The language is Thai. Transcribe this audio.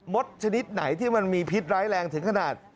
ดชนิดไหนที่มันมีพิษร้ายแรงถึงขนาด